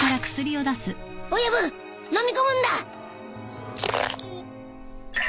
親分飲み込むんだ！